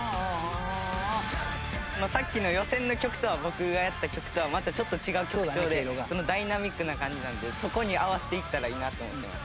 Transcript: さっきの予選の曲とは僕がやった曲とはまたちょっと違う曲調でダイナミックな感じなのでそこに合わせていったらいいなと思ってます。